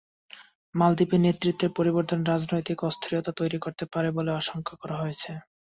মালদ্বীপে নেতৃত্বের পরিবর্তন রাজনৈতিক অস্থিরতা তৈরি করতে পারে বলে আশঙ্কা করা হচ্ছে।